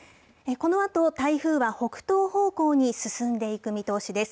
このあと、台風は北東方向に進んでいく見通しです。